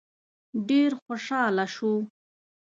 ډېر خوشاله شو.